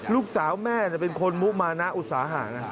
ลูกสาวแม่เป็นคนมุมานะอุตสาหะ